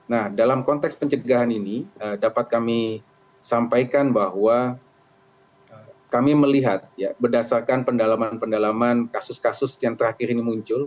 nah dalam konteks pencegahan ini dapat kami sampaikan bahwa kami melihat berdasarkan pendalaman pendalaman kasus kasus yang terakhir ini muncul